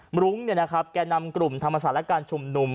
มรุ้งแก่นำกลุ่มธรรมศาลการณ์ชุมนุม